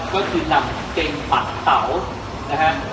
ก็คือนำเกงปัดเตานะครับ